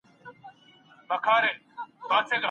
ړوند سړی له ږیري سره ډوډۍ او مڼه اخلي.